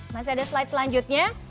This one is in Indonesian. masih ada slide selanjutnya